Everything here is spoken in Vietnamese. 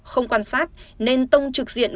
không quan sát nên tông trực diện